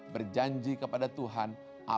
berjanji kepada tuhan